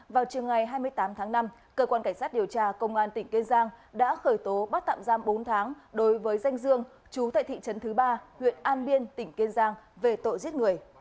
vào chiều ngày hai mươi tám tháng năm cơ quan cảnh sát điều tra công an tỉnh kiên giang đã khởi tố bắt tạm giam bốn tháng đối với danh dương chú tại thị trấn thứ ba huyện an biên tỉnh kiên giang về tội giết người